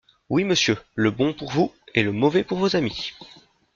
Oui, monsieur : le bon pour vous et le mauvais pour vos amis.